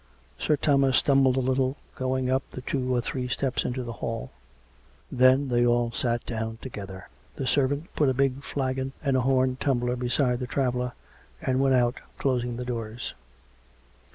Sir Thomas stumbled a little going up the two or three steps into the hall. Then they all sat down to gether; the servant put a big flagon and a horn tumbler beside the traveller, and went out, closing the doors.